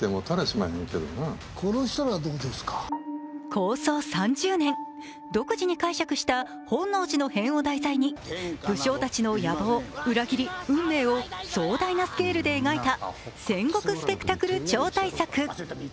構想３０年、独自に解釈した本能寺の変を題材に武将たちの野望、裏切り、運命を壮大なスケールで描いた戦国スペクタクル超大作。